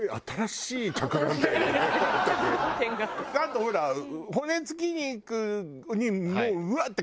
あとほら骨付き肉にもううわ！って